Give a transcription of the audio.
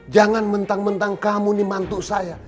jangan mentang mentang kamu ini mantuk saya